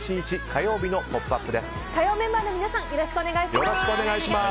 火曜メンバーの皆さんよろしくお願いします。